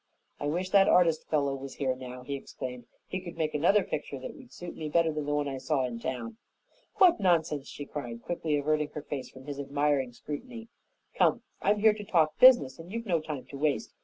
"I wish that artist fellow was here now," he exclaimed. "He could make another picture that would suit me better than the one I saw in town." "What nonsense!" she cried, quickly averting her face from his admiring scrutiny. "Come, I'm here to talk business and you've no time to waste.